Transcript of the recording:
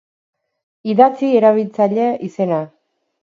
Idatzi erabiltzaile izena.